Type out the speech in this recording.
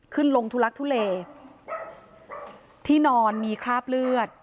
ขึ้นลงทุลักทุเลที่นอนมีคราบเลือด